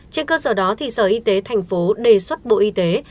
trên cơ sở đó sở y tế tp hcm đề xuất bộ y tế